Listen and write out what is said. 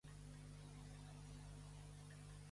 No li diguis a la L